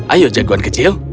ayo jagoan kecil